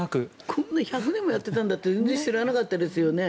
こんなの１００年もやってたんだって全然知らなかったですよね。